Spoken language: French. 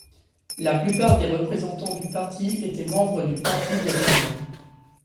La plupart des représentants du parti étaient membres du Parti des régions.